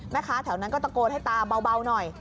แถวนั้นก็ตะโกนให้ตาเบาหน่อย